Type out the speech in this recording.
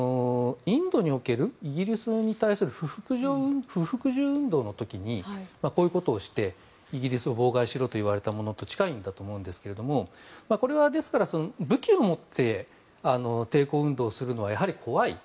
インドにおけるイギリスに対する不服従運動の時にこういうことをしてイギリスを妨害しろと言われたものと近いんだと思うんですがこれは、ですから武器を持って抵抗運動をするのはやはり怖い。